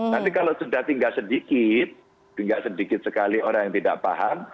nanti kalau sudah tinggal sedikit tidak sedikit sekali orang yang tidak paham